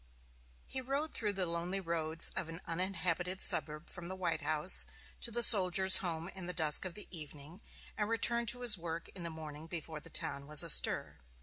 He rode through the lonely roads of an uninhabited suburb from the White House to the Soldiers' Home in the dusk of the evening, and returned to his work in the morning before the town was astir.